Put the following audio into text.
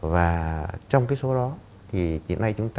và trong cái số đó thì hiện nay chúng ta